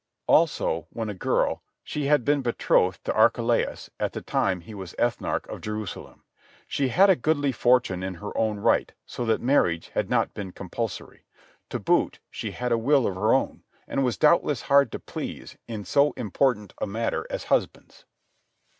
Also, when a girl, she had been betrothed to Archelaus at the time he was ethnarch of Jerusalem. She had a goodly fortune in her own right, so that marriage had not been compulsory. To boot, she had a will of her own, and was doubtless hard to please in so important a matter as husbands.